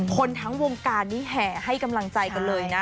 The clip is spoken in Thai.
คนทั้งวงการนี้แห่ให้กำลังใจกันเลยนะ